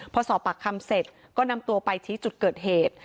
พอสอบปากคำเสร็จก็นำตัวไปชี้จุดเกิดเหตุ